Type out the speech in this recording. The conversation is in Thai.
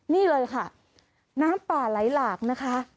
นี่เลยค่ะน้ำป่าไหลหลากนะคะ